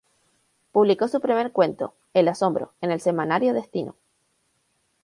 Publicó su primer cuento, "El asombro", en el semanario Destino.